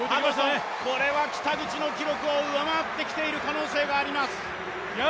これは北口の記録を上回ってきている可能性があります。